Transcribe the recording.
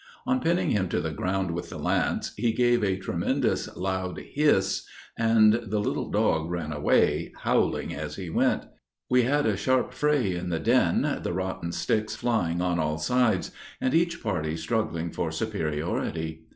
On pinning him to the ground with the lance, he gave a tremendous loud hiss, and the little dog ran away, howling as he went. We had a sharp fray in the den, the rotten sticks flying on all sides, and each party struggling for superiority.